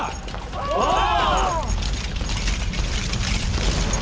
おう！